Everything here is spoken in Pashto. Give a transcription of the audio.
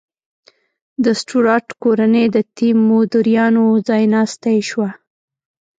د سټورات کورنۍ د تیودوریانو ځایناستې شوه.